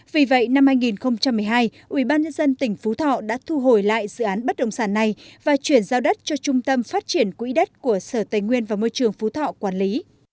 vì vậy năm hai nghìn một mươi hai ubnd tỉnh phú thọ đã thu hồi lại dự án bất động sản này và chuyển giao đất cho trung tâm phát triển quỹ đất của sở tài nguyên và môi trường phú thọ quản lý